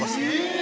え！